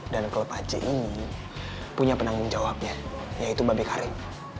dan klub aceh ini punya penanggung jawabnya yaitu babe karim